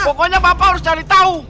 pokoknya bapak harus cari tahu